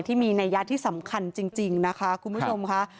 ที่มีนัยยะที่สำคัญจริงนะคะคุณผู้ชมค่ะ